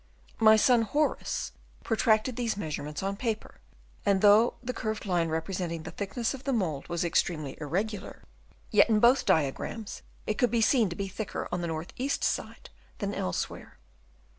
My son Horace protracted these measurements on paper ; and though the curved line representing the thick ness of the mould was extremely irregular, yet in both diagrams it could be seen to be thicker on the north eastern side than elsewhere.